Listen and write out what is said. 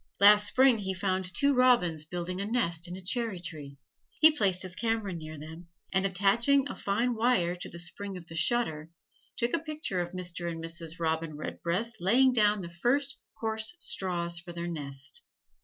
Last Spring he found two robins building a nest in a cherry tree: he placed his camera near them, and attaching a fine wire to spring the shutter, took a picture of Mr. and Mrs. Robin Redbreast laying down the first coarse straws for their nest.